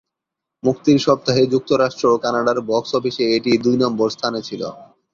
মুক্তির সপ্তাহে যুক্তরাষ্ট্র ও কানাডার বক্স অফিসে এটি দুই নম্বর স্থানে ছিল।